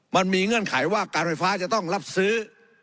เงื่อนไขว่าการไฟฟ้าจะต้องรับซื้อ